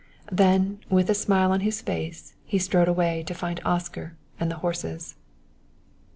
Then with a smile on his face he strode away to find Oscar and the horses.